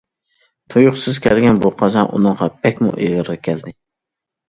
تۇيۇقسىز كەلگەن بۇ قازا ئۇنىڭغا بەكمۇ ئېغىر كەلدى.